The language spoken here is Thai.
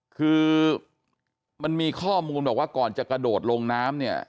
คือมันมีข้อมูลบอกว่าก่อนจะกระโดดลงน้ำเนี่ย